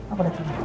aku udah terlalu